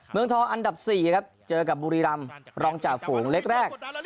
เมืองทองอันดับ๔ครับเจอกับบุรีรำรองจ่าฝูงเล็กแรก